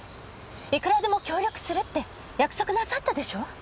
いくらでも協力するって約束なさったでしょ？